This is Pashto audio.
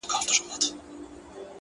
• کله به رسوا سي، وايي بله ورځ ,